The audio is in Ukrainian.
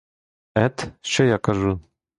Ет, що я кажу?